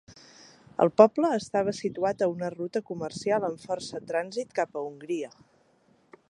El poble estava situat a una ruta comercial amb força trànsit cap a Hongria.